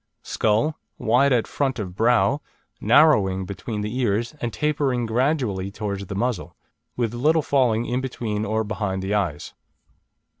Skull: wide at front of brow, narrowing between the ears, and tapering gradually towards the muzzle, with little falling in between or behind the eyes.